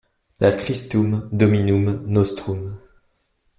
Per Christum Dominum nostrum.